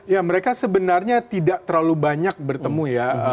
ya mereka sebenarnya tidak terlalu banyak bertemu ya